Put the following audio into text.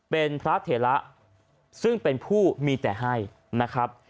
เป็นพระเถระซึ่งเป็นผู้มีแต่ให้นะครับ